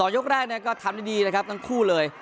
ยกแรกก็ทำดีนะครับทั้งคู่เลย